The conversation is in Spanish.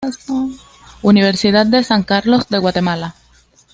Universidad de San Carlos de Guatemala